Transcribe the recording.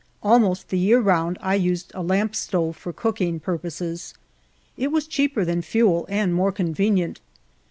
Almost the year round I used a lamp stove for cooking purposes ; it was cheaper than fuel, and more convenient.